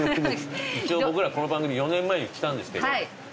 一応僕らこの番組４年前に来たんですけど知ってました？